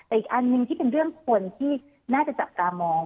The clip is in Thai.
แต่อีกอันหนึ่งที่เป็นเรื่องคนที่น่าจะจับตามอง